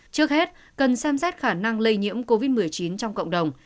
trước hết cần xem xét khả năng lây nhiễm covid một mươi chín trong cộng đồng